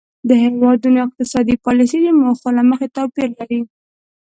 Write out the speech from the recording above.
د هیوادونو اقتصادي پالیسۍ د موخو له مخې توپیر لري